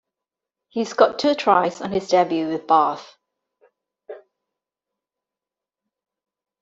He scored two tries on his debut with Bath.